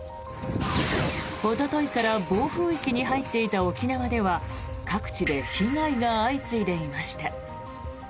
おとといから暴風域に入っていた沖縄では各地で被害が相次いでいました。